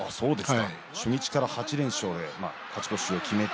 初日から８連勝で勝ち越しを決めて